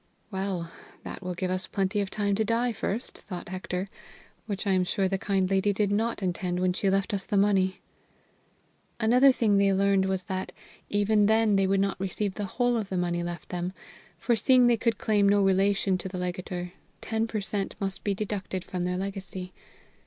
"Well, that will give us plenty of time to die first," thought Hector, "which I am sure the kind lady did not intend when she left us the money." Another thing they learned was that, even then, they would not receive the whole of the money left them, for seeing they could claim no relation to the legator, ten per cent must be deducted from their legacy.